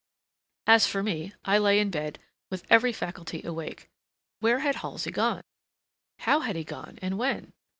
As for me, I lay in bed, with every faculty awake. Where had Halsey gone? How had he gone, and when?